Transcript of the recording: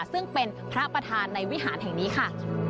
ซึ่งเป็นพระประธานในวิหารแห่งนี้ค่ะ